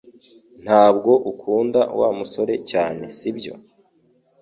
Ntabwo ukunda Wa musore cyane sibyo